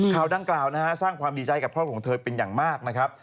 คราวด้านกล่าวสร้างความดีใจกับครอบครองเธอเป็นอย่างมากนะครับ